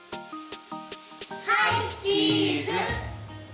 はいチーズ！